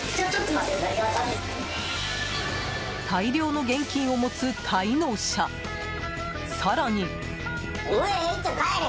大量の現金を持つ滞納者更に。